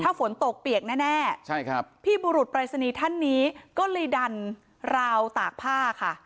ถ้าฝนตกเปียกแน่ใช่ครับพี่บุรุษปรายศนีย์ท่านนี้ก็เลยดันราวตากผ้าค่ะ